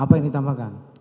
apa yang ditambahkan